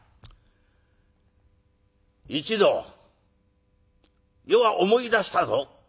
「一同余は思い出したぞ。